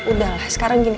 udah lah sekarang gini